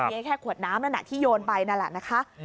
มีแค่ขวดน้ำที่โยนไปนั่นแหละ